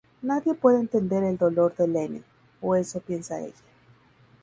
Nadie puede entender el dolor de Lennie, o eso piensa ella.